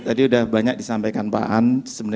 tadi sudah banyak disampaikan pak an